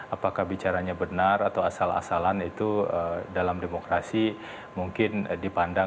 apakah bicaranya benar atau asal asalan itu dalam demokrasi mungkin dipandang